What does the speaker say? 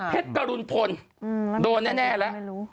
เพชรกรุณพลโดนแน่ล่ะ